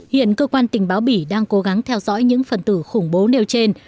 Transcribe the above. hiện cơ quan tình báo bỉ đang cố gắng theo dõi những phần tử khủng bố nêu trên